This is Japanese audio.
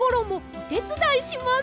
おてつだいします。